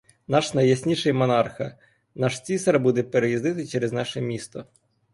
Наш найясніший монарха, наш цісар буде переїздити через наше місто.